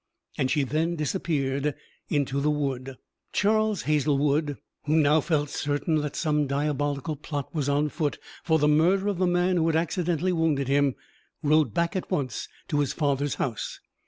And she then disappeared into the wood. Charles Hazlewood, who now felt certain some diabolical plot was on foot for the murder of the man who had accidentally wounded him, rode back at once to his father's house.